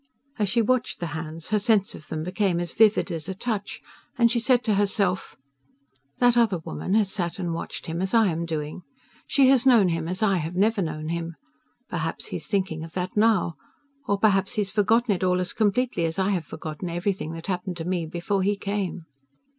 As she watched the hands her sense of them became as vivid as a touch, and she said to herself: "That other woman has sat and watched him as I am doing. She has known him as I have never known him...Perhaps he is thinking of that now. Or perhaps he has forgotten it all as completely as I have forgotten everything that happened to me before he came..."